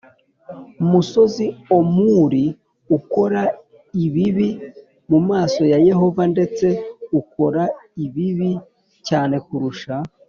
Musozi omuri akora ibibi mu maso ya yehova ndetse akora ibibi cyane kurusha